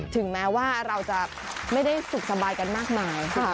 ถึงแม้ว่าเราจะไม่ได้สุขสบายกันมากมายค่ะ